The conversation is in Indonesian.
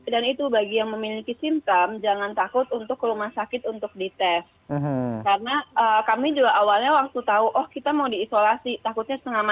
dan itu bagi yang memiliki simptom jangan takut untuk ke rumah sakit untuk dites karena kami juga awalnya waktu tahu oh kita mau diisolasi takutnya setengah mati gitu